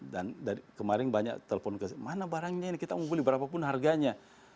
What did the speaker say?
dan kemarin banyak telepon ke saya mana barangnya ini kita mau beli berapa pun harganya